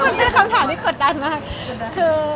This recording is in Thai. มันเป็นคำถามที่กดดันมาก